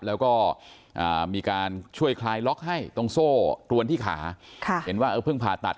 แล้วก็มีการช่วยคลายล็อกให้ตรงโซ่ตรวนที่ขาเห็นว่าเออเพิ่งผ่าตัด